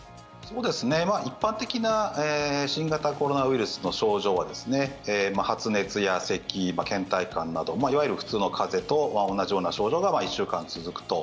一般的な新型コロナウイルスの症状は発熱やせき、けん怠感などいわゆる普通の風邪と同じような症状が１週間続くと。